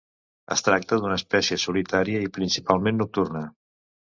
Es tracta d'una espècie solitària i principalment nocturna.